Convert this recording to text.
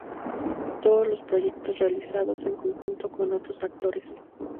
Todos los proyectos realizados en conjunto con otros actores.